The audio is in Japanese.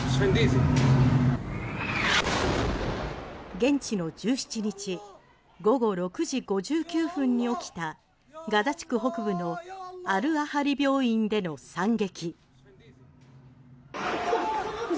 現地の１７日午後６時５９分に起きたガザ地区北部のアル・アハリ病院での惨劇。